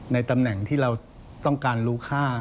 ในตำแหน่งที่เราต้องการรู้ค่า